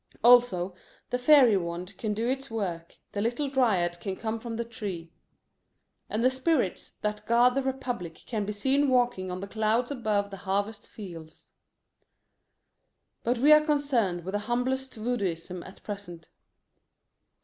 Also the fairy wand can do its work, the little dryad can come from the tree. And the spirits that guard the Republic can be seen walking on the clouds above the harvest fields. But we are concerned with the humblest voodooism at present.